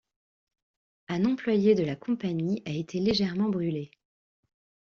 Un employé de la compagnie a été légèrement brûlé.